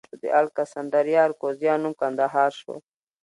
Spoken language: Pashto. د الکسندریه اراکوزیا نوم کندهار شو